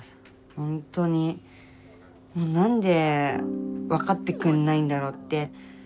ほんとにもう何で分かってくれないんだろうって。